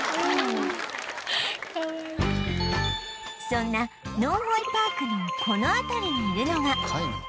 そんなのんほいパークのこの辺りにいるのが